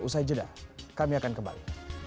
usai jeda kami akan kembali